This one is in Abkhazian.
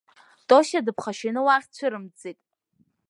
Тосиа дыԥхашьан уахь дцәырымҵӡеит.